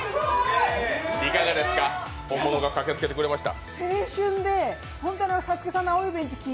いかがですか、本物が駆けつけてくれました。